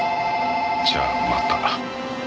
じゃあまた。